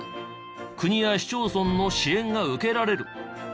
国や市町村の支援が受けられる。